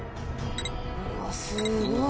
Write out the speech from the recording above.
うわっすごい！